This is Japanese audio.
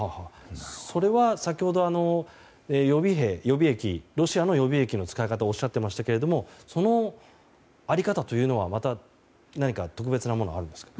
それは、先ほどロシアの予備役の使い方をおっしゃっていましたけれどもその在り方というのはまた何か特別なものがあるんですか。